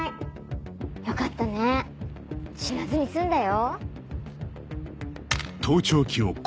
よかったねぇ死なずに済んだよ。